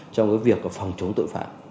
trong cái việc phòng chống tội phạm